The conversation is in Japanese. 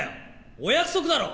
お約束だろ！